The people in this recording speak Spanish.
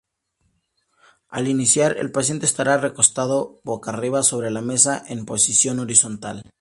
Al iniciar, el paciente estará recostado boca arriba sobre la mesa en posición horizontal.